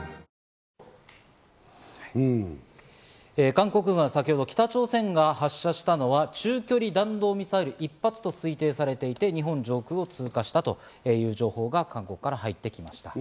韓国軍は先ほど北朝鮮が発射したのは中距離弾道ミサイル１発と推定されていて、日本上空を通過したという情報が韓国から入ってきました。